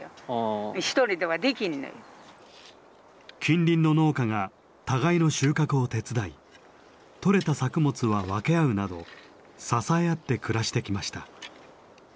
近隣の農家が互いの収穫を手伝い取れた作物は分け合うなど支え合って暮らしてきました。